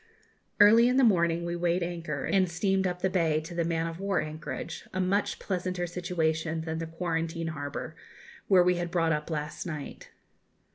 Early in the morning we weighed anchor and steamed up the bay to the man of war anchorage, a much pleasanter situation than the quarantine harbour, where we had brought up last night.